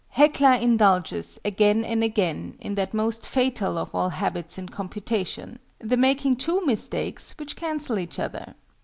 HECLA indulges, again and again, in that most fatal of all habits in computation the making two mistakes which cancel each other.